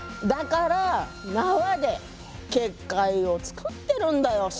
だから縄で結界を作ってるんだよ。